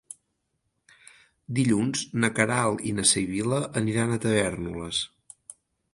Dilluns na Queralt i na Sibil·la aniran a Tavèrnoles.